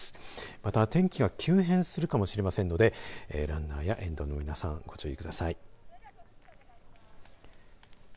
また、天気が急変するかもしれませんのでランナーや沿道の皆さんご注意ください。